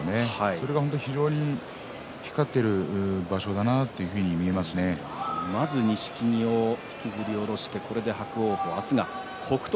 それが非常に光っている場所だなまず錦木を引きずり下ろして明日は北勝